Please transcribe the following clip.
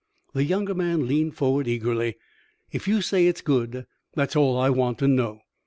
The younger man leaned forward eagerly. "If you say it's good, that's all I want to know.